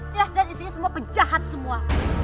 jelas deh disini semua pejahat semua